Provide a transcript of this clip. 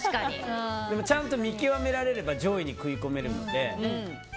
でもちゃんと見極められれば上位に食い込めるので。